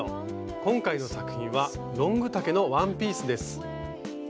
今回の作品はロング丈のワンピースです。